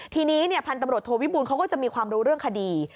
ทีนี้พันธุ์ตำรวจโทวิบูลเขาก็จะมีความรู้เรื่องคดี